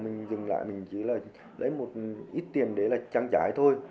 nhưng lại mình chỉ là lấy một ít tiền để là trăng trái thôi